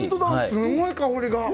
すごい香りが。